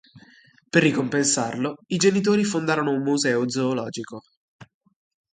Per ricompensarlo i genitori fondarono un museo zoologico.